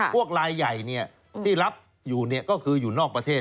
พวกลายใหญ่ที่รับอยู่ก็คืออยู่นอกประเทศ